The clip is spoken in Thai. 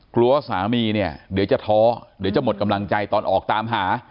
กลัวว่าสามีเนี่ยเดี๋ยวจะท้อเดี๋ยวจะหมดกำลังใจตอนออกตามหา